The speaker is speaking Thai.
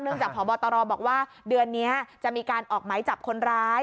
เนื่องจากขอบอตรอบอกว่าเดือนนี้จะมีการออกไม้จับคนร้าย